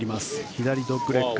左ドッグレッグ。